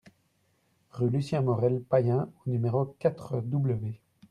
Rue Lucien Morel-Payen au numéro quatre W